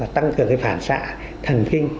tăng cường cái phản xạ thần kinh